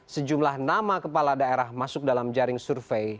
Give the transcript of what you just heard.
sejumlah nama kepala daerah masuk dalam jaring survei